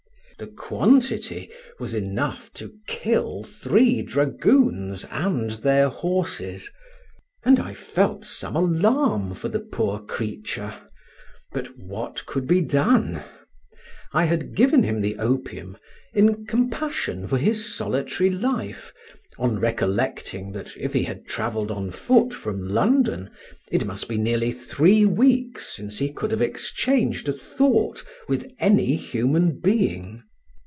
The quantity was enough to kill three dragoons and their horses, and I felt some alarm for the poor creature; but what could be done? I had given him the opium in compassion for his solitary life, on recollecting that if he had travelled on foot from London it must be nearly three weeks since he could have exchanged a thought with any human being.